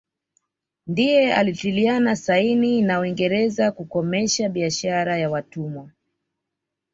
Ndiye alitiliana saini na Uingereza kukomesha biashara ya watumwa